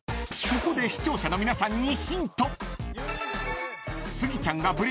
［ここで視聴者の皆さんに］